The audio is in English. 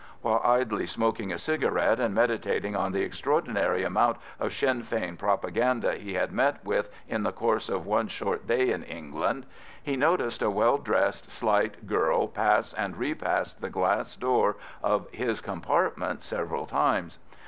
While idly smoking a cigarette and meditating on the extraordinary amount of Sinn Fein propaganda he had met with in the course of one short day in England, he noticed a well dressed slight girl pass and repass the glass door of his compartment several times.